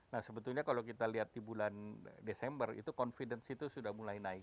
nah sebetulnya kalau kita lihat di bulan desember itu confidence itu sudah mulai naik